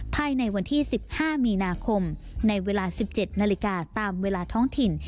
ภายในวันที่๑๕มีนาคมในเวลา๑๗นาฬิกาตามเวลาท้องถิ่น